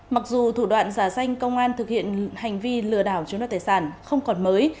mặc dù thủ đoạn giả danh công an thực hiện hành vi lừa đảo chiếm đoạt tài sản không còn mới